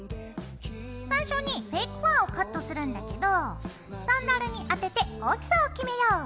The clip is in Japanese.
最初にフェイクファーをカットするんだけどサンダルにあてて大きさを決めよう。